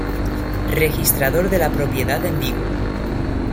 Registrador de la propiedad en Vigo.